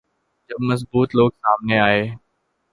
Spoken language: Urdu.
جب مضبوط لوگ سامنے آئیں۔